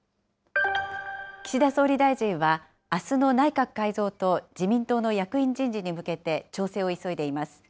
岸田総理大臣は、あすの内閣改造と自民党の役員人事に向けて調整を急いでいます。